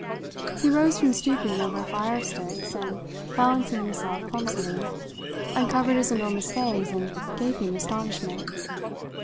He rose from stooping over a fire of sticks, and, balancing himself clumsily, uncovered his enormous fangs in gaping astonishment.